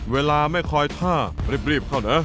เวลาไม่คอยท่ารีบเข้านะ